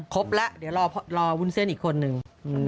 ครบแล้วเดี๋ยวรอวุ้นเส้นอีกคนนึง